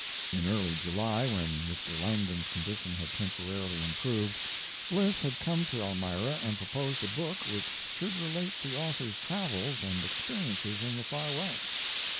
In early July, when Mr. Langdon's condition had temporarily improved, Bliss had come to Elmira and proposed a book which should relate the author's travels and experiences in the Far West.